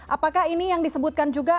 apakah ini yang disebutkan juga